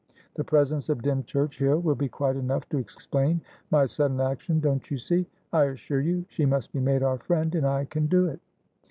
The presence of Dymchurch here will be quite enough to explain my sudden action don't you see? I assure you, she must be made our friend, and I can do it."